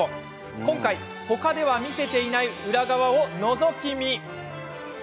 今回、他では見せていない裏側をのぞき見。